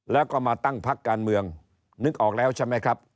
แล้วก็มาตั้งพักการเมืองนึกออกแล้วใช่ไหมครับ